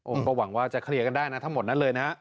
ก็หวังว่าจะเคลียร์กันได้นะทั้งหมดนั้นเลยนะฮะ